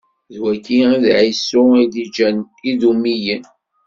D wagi i d Ɛisu i d-iǧǧan Idumiyen.